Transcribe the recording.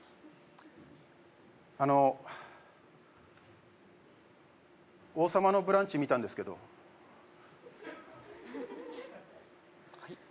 あの王様のブランチ見たんですけどはい？